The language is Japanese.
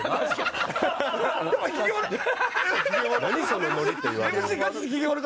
そのノリ」って言われる。